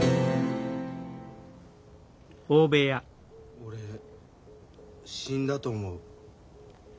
俺死んだと思う。